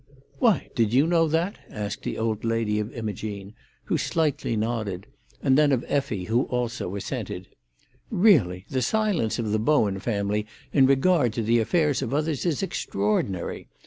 "Why, did you know that?" asked the old lady of Imogene, who slightly nodded, and then of Effie, who also assented. "Really, the silence of the Bowen family in regard to the affairs of others is extraordinary.